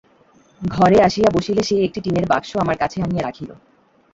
ঘরে আসিয়া বসিলে সে একটি টিনের বাক্স আমার কাছে আনিয়া রাখিল।